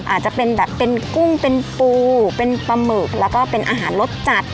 อาจจะเป็นแบบเป็นกุ้งเป็นปูเป็นปลาหมึกแล้วก็เป็นอาหารรสจัด